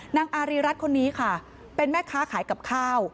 นางอารีรัฐคนนี้ค่ะเป็นแม่ค้าขายกับข้าว